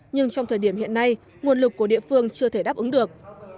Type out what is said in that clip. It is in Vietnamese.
nhưng trong thời điểm hiện nay nguồn lực của địa phương chưa thể đáp ứng được